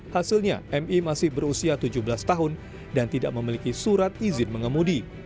hasilnya mi masih berusia tujuh belas tahun dan tidak memiliki surat izin mengemudi